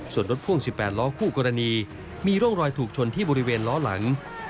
ส่วนรถพ่วง๑๘ล้อคู่กรณีมีร่องรอยถูกชนที่บริเวณล้อหลัง